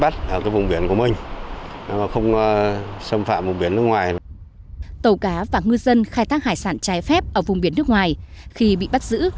tàu cá và ngư dân khai thác hải sản trái phép ở vùng biển nước ngoài khi bị bắt giữ